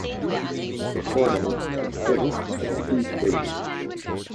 The tournament consists of two stages.